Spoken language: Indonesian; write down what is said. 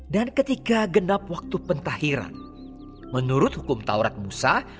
dan ketika genap waktu pentahiran menurut hukum taurat musa